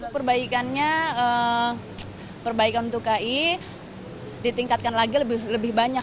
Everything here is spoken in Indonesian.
perbaikannya perbaikan untuk kai ditingkatkan lagi lebih banyak